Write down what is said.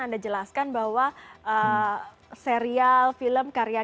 anda jelaskan bahwa serial film karya